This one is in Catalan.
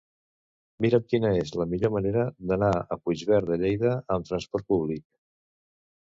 Mira'm quina és la millor manera d'anar a Puigverd de Lleida amb trasport públic.